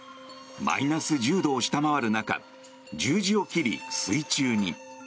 マイナス１０度を下回る中十字を切り、水中に。